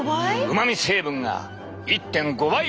うまみ成分が１．５倍アップ！